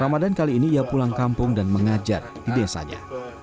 ramadan kali ini ia pulang kampung dan mengajar di desanya